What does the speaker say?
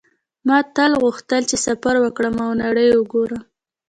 ما تل غوښتل چې سفر وکړم او نړۍ وګورم